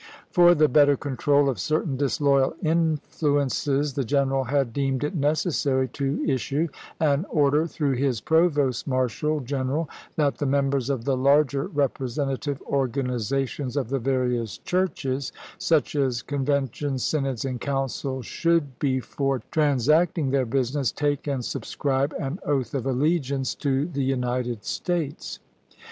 For the better control of certain disloyal influences the General had deemed it necessary to issue an order through his provost marshal general that the members of the larger representative organizations of the various churches, such as conventions, synods, and councils, should, before transacting their business, take and subscribe an oath of allegiance to the United States.